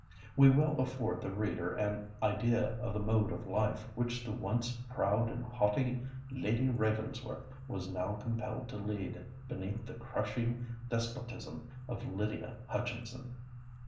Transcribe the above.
We will afford the reader an idea of the mode of life which the once proud and haughty Lady Ravensworth was now compelled to lead beneath the crushing despotism of Lydia Hutchinson.